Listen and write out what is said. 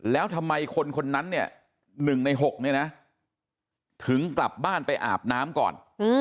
แล้วทำไมคนนั้น๑ใน๖ถึงกลับบ้านไปอาบน้ำก่อน